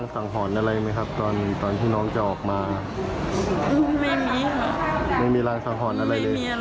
๓คนพ่อกับลูกกับน้องอีก๒น้องใช่ไหมลูก๒คนเนอะ